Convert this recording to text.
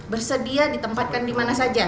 bersedia ditempatkan dimana saja